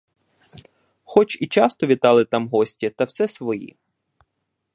Хоч і часто вітали там гості, та все свої.